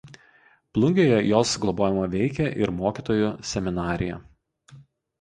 Plungėje jos globojama veikė ir Mokytojų seminarija.